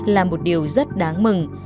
là một điều rất đáng mừng